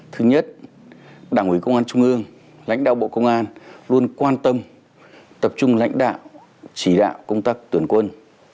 thứ nhất đảng ủy công an trung ương lãnh đạo bộ công an luôn quan tâm tập trung lãnh đạo chỉ đạo công tác tuyển quân